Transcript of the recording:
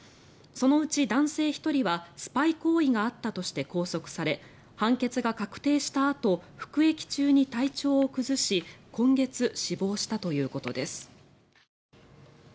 そのうち男性１人はスパイ行為があったとして拘束され判決が確定したあと服役中に体調を崩し今月、死亡したということです。